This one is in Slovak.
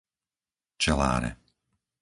Čeláre